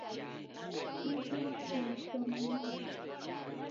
Naw'iaendashomia Amerika.